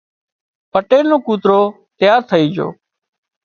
پٽيل نو ڪوترو تيار ٿئي جھو